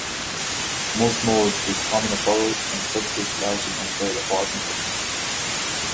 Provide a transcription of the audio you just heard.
Most moles dig permanent burrows, and subsist largely on prey that falls into them.